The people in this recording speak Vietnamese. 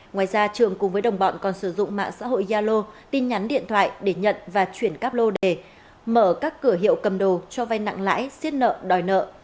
ngoài ra trường cùng với đồng bọn còn sử dụng mạng xã hội yalo tin nhắn điện thoại để nhận và chuyển các lô đề mở các cửa hiệu cầm đồ cho vai nặng lãi xiết nợ đòi nợ